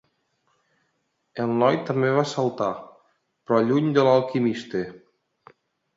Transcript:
El noi també va saltar, però lluny de l'alquimista.